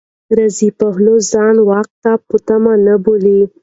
رضا پهلوي ځان واک ته په تمه نه بولي.